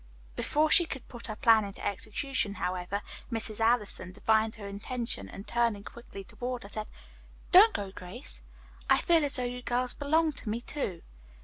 Before she could put her plan into execution, however, Mrs. Allison divined her intention and turning quickly toward her, said, "Don't go, Grace. I feel as though you girls belonged to me, too.